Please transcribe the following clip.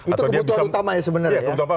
itu kebutuhan utamanya sebenarnya ya